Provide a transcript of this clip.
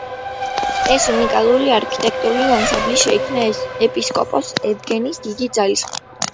ეს უნიკალური არქიტექტურული ანსამბლი შეიქმნა ეპისკოპოს ევგენის დიდი ძალისხმევით.